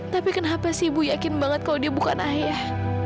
tapi kenapa sih ibu yakin banget kalau dia bukan ayah